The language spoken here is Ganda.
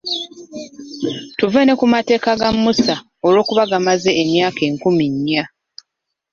Tuve ne ku mateeka ga Musa olw'okuba gamaze emyaka enkumi nya?